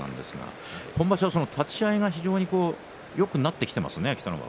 今場所、立ち合いがよくなってきていますね、北の若。